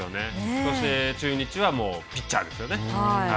そして、中日はピッチャーですよね。